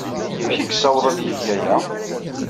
Amek ay yessaweḍ ad yeg aya?